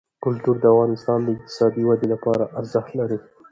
کلتور د افغانستان د اقتصادي ودې لپاره ارزښت لري.